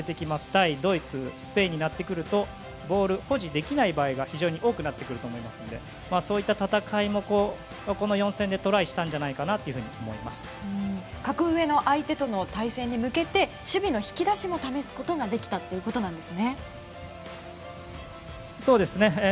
対ドイツ、スペインになってきますとボールを保持できない場合が多くなってくると思いますのでそういった戦いもこの４戦でトライしたんじゃないかなと格上の相手との対戦に向けて守備の引き出しも試すことができたということなんですね。